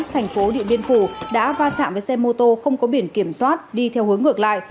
thành phố điện biên phủ đã va chạm với xe mô tô không có biển kiểm soát đi theo hướng ngược lại